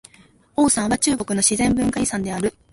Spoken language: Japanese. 黄山は中国の自然文化遺産である。